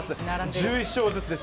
１１勝ずつです。